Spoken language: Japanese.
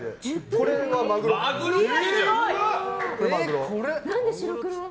これはマグロです。